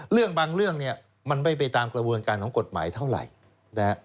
เรื่องบางเรื่องมันไม่ไปตามกระเวินการของกฎหมายเท่าไหร่